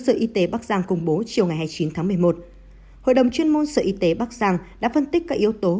sở y tế bắc giang công bố chiều ngày hai mươi chín tháng một mươi một hội đồng chuyên môn sở y tế bắc giang đã phân tích các yếu tố